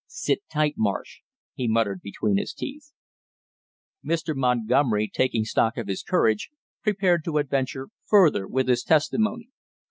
"Sit tight, Marsh!" he muttered between his teeth. Mr. Montgomery, taking stock of his courage, prepared to adventure further with his testimony.